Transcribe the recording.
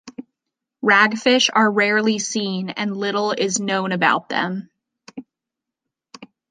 Ragfish are rarely seen and little is known about them.